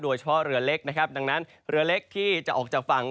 โดยเฉพาะเรือเล็กนะครับดังนั้นเรือเล็กที่จะออกจากฝั่ง